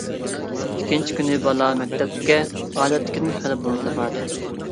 ئىككىنچى كۈنى بالا مەكتەپكە ئادەتتىكىدىن خېلىلا بۇرۇن باردى.